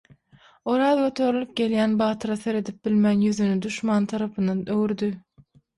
Oraz göterilip gelinýän batyra seredip bilmän ýüzüni duşman tarapyna öwürdi.